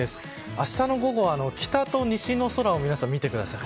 明日の午後は北と西の空を皆さん、見てください。